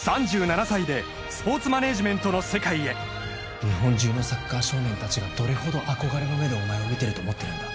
３７歳でスポーツマネージメントの世界へ日本中のサッカー少年達がどれほど憧れの目でお前を見てると思ってるんだ